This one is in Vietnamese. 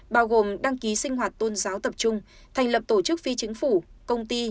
bao gồm đăng ký sinh hoạt tôn giáo tập trung thành lập tổ chức phi chính phủ công ty